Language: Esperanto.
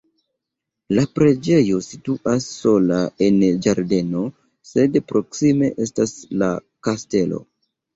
La preĝejo situas sola en ĝardeno, sed proksime estas la kastelo.